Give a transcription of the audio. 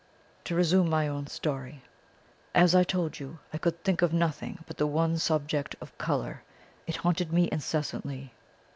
To resume my own story. As I told you, I could think of nothing but the one subject of Colour; it haunted me incessantly.